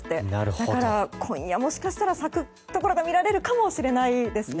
だから、今夜もしかしたら咲くところが見られるかもしれないですね。